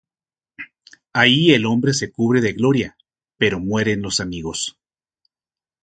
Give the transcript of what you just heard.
Allí el hombre se cubre de gloria, pero mueren los amigos.